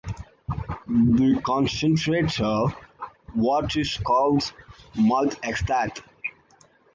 The concentrated wort is called malt extract.